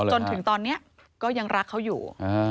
จนถึงตอนนี้ก็ยังรักเขาอยู่